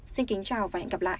xin kính chào và hẹn gặp lại